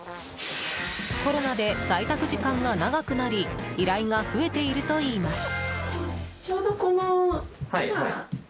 コロナで在宅時間が長くなり依頼が増えているといいます。